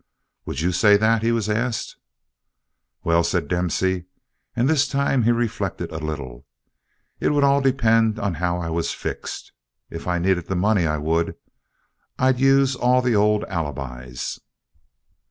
"Would you say that?" he was asked. "Well," said Dempsey, and this time he reflected a little, "it would all depend on how I was fixed. If I needed the money I would. I'd use all the old alibis."